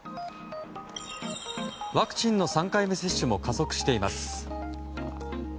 ワクチンの３回目接種も加速しています。